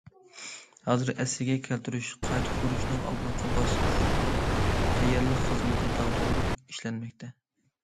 ھازىر ئەسلىگە كەلتۈرۈش، قايتا قۇرۇشنىڭ ئالدىنقى باسقۇچلۇق تەييارلىق خىزمىتى داغدۇغىلىق ئىشلەنمەكتە.